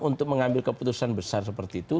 untuk mengambil keputusan besar seperti itu